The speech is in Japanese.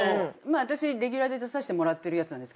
私レギュラーで出さしてもらってるやつなんです。